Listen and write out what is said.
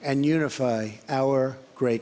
dan menggabungkan negara kita yang luas